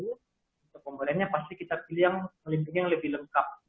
untuk pembedaannya pasti kita pilih yang lebih lengkap